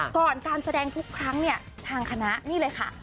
การแสดงทุกครั้งเนี่ยทางคณะนี่เลยค่ะ